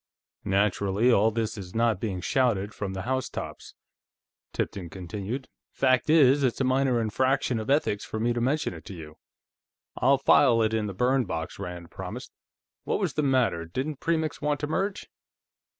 "Naturally, all this is not being shouted from the housetops," Tipton continued. "Fact is, it's a minor infraction of ethics for me to mention it to you." "I'll file it in the burn box," Rand promised. "What was the matter; didn't Premix want to merge?"